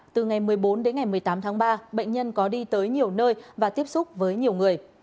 từ ngày một mươi bốn đến ngày một mươi tám tháng ba bệnh nhân có đi tới nhiều nơi và tiếp xúc với nhiều người